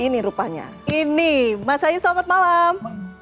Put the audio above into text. ini rupanya ini mas ayu selamat malam